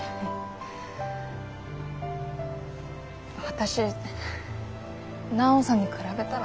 私奈央さんに比べたら。